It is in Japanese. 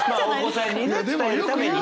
お子さんにね伝えるために。